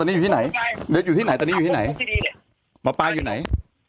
ตอนนี้อยู่ที่ไหนเดสอยู่ที่ไหนตอนนี้อยู่ที่ไหนหมอปลาอยู่ไหน